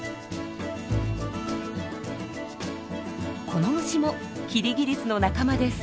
この虫もキリギリスの仲間です。